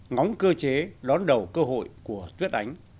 ngóng cơ chế đón đầu cơ hội của tuyết ánh